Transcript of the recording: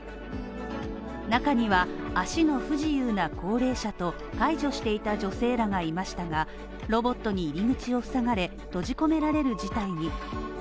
中には足の不自由な高齢者と介助していた女性らがいましたがロボットに入り口をふさがれ、閉じ込められる事態に。